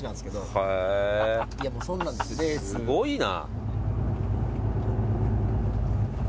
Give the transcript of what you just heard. すごいな。